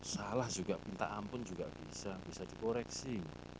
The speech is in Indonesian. salah juga minta ampun juga bisa bisa dikoreksi